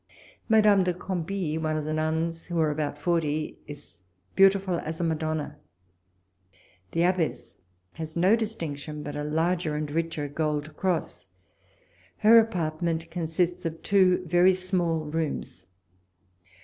Madame de Cambis, one of the nuns, who are about forty, is beautiful as a Madonna. The abbess has no walpole's letters. ■ 1^7 distinction but a larger and richer gold cross ; her apartment consists of two very small rooms.